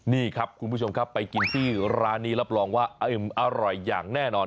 นี่ครับคุณผู้ชมครับไปกินที่ร้านนี้รับรองว่าอิ่มอร่อยอย่างแน่นอน